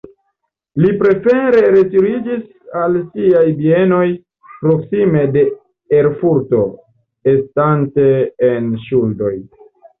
Li prefere retiriĝis al siaj bienoj proksime de Erfurto, estante en ŝuldoj.